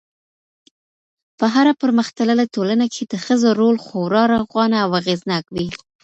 په هره پرمختللې ټولنه کي د ښځو رول خورا روښانه او اغېزناک وي